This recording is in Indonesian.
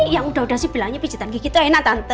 yang udah udah sih bilangnya pijetin kiki tuh enak tante